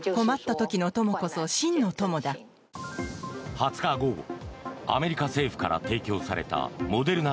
２０日午後アメリカ政府から提供されたモデルナ